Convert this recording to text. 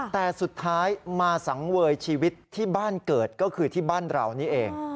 แต่สุดท้ายมาสังเวยชีวิตที่บ้านเกิดก็คือที่บ้านเรานี่เอง